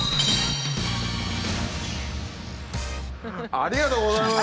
ありがとうございます！